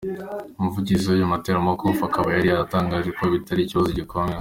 Umuvugizi w’uyu muteramakofi akaba yari yatangaje ko bitari ikibazo gikomeye.